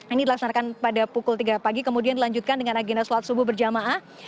ini dilaksanakan pada pukul tiga pagi kemudian dilanjutkan dengan agenda sholat subuh berjamaah